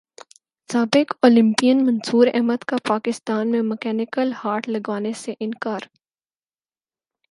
سابق اولمپئن منصوراحمد کا پاکستان میں مکینیکل ہارٹ لگوانے سے انکار